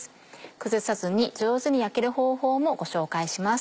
崩さずに上手に焼ける方法もご紹介します。